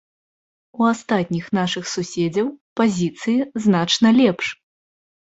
У астатніх нашых суседзяў пазіцыі значна лепш.